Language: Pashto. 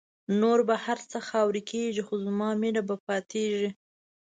نور به هر څه خاوری کېږی خو زما مینه به پاتېږی